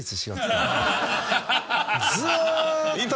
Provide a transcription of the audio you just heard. ずーっと。